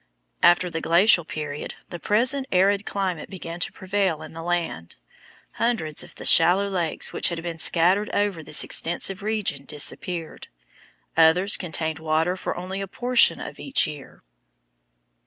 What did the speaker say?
After the Glacial period the present arid climate began to prevail in the land. Hundreds of the shallow lakes which had been scattered over this extensive region disappeared. Others contained water for only a portion of each year.